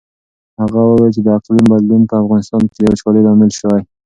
هغه وویل چې د اقلیم بدلون په افغانستان کې د وچکالۍ لامل شوی.